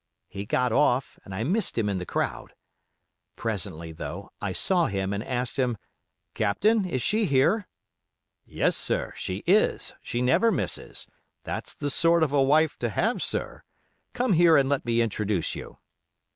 He got off, and I missed him in the crowd. Presently, though, I saw him and I asked him, 'Captain, is she here?' 'Yes, sir, she is, she never misses; that's the sort of a wife to have, sir; come here and let me introduce you.